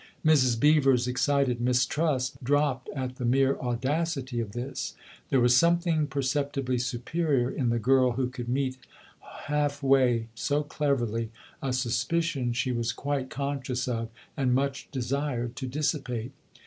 Mrs. Beever's excited mistrust dropped at the mere audacity of this : there was something per ceptibly superior in the girl who could meet hall way, so cleverly, a suspicion she was quite con scious of and much desired to dissipate.